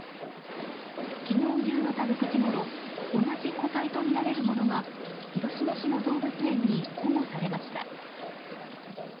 昨日夕方６時ごろ同じ個体とみられるものが広島市の動物園に保護されました。